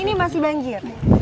ini masih banjir